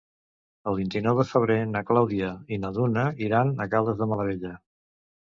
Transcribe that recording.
El vint-i-nou de febrer na Clàudia i na Duna iran a Caldes de Malavella.